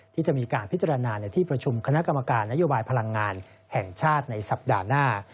ที่จะมีการพิจารณาในที่ประชุมคณะกรรมการนโยบายพลังงานแห่งชาติในสัปดาห์หน้า